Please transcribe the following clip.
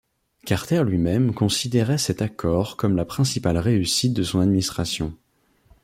Carter lui-même considérait cet accord comme la principale réussite de son administration.